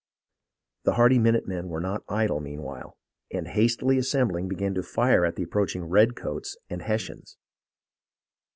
The hardy minute men were not idle meanwhile, and hastily assembling began to fire at the approaching redcoats and Hessians.